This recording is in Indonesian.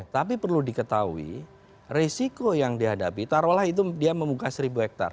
tapi perlu diketahui resiko yang dihadapi taruhlah itu dia membuka seribu hektare